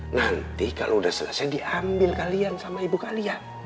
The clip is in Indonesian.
nanti kalau sudah selesai diambil kalian sama ibu kalian